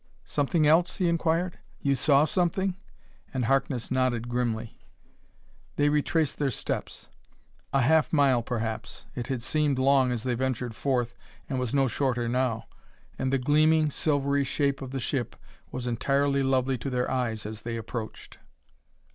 "Something else?" he inquired. "You saw something?" And Harkness nodded grimly. They retraced their steps. A half mile, perhaps. It had seemed long as they ventured forth, and was no shorter now. And the gleaming, silvery shape of the ship was entirely lovely to their eyes as they approached.